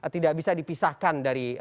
tidak bisa dipisahkan dari